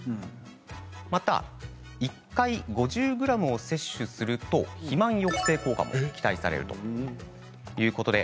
また、１回５０ｇを摂取すると肥満抑制にも効果が期待されるそうです。